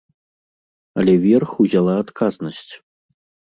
Але верх узяла адказнасць.